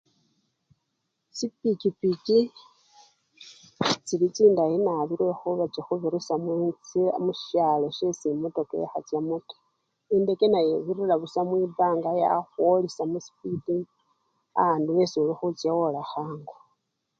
Chipikipiki chili chindayi nabii lwekhuba chikhubirisya muchi! musyalo syesi emotoka ekhachamo taa endeke nayo ebirira busa mwipanga yakhwolesya musipiti awandu esi olikhocha wola khangu.